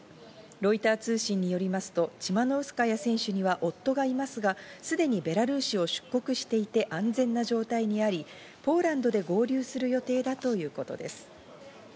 ロイター通信によりますと、チマノウスカヤ選手には夫がいますが、すでにベラルーシを出国していて安全な状態にありポーランドで合流する予定だということです。